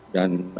dan ini beranjak